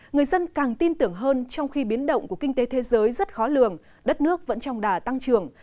người dân càng tin tưởng hơn trong khi biến động của kinh tế thế giới rất khó lường đất nước vẫn trong đà tăng trưởng